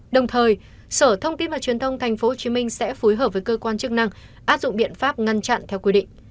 đồng thời sở thông tin và truyền thông tp hcm sẽ phối hợp với cơ quan chức năng áp dụng biện pháp ngăn chặn theo quy định